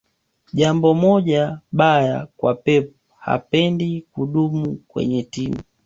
jambo moja baya kwa pep hapendi kudumu kwenye timu